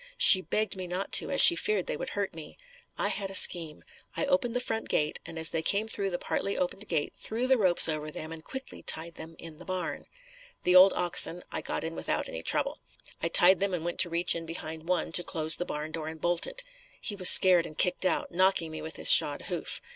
She begged me not to, as she feared they would hurt me. I had a scheme I opened the front gate and as they came through the partly opened gate, threw the ropes over them and quickly tied them in the barn. The old oxen, I got in without any trouble. I tied them and went to reach in behind one, to close the barn door and bolt it. He was scared and kicked out, knocking me with his shod hoof.